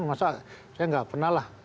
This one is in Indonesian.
masa saya nggak pernah lah